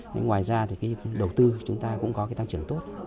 nhưng ngoài ra thì cái đầu tư chúng ta cũng có cái tăng trưởng tốt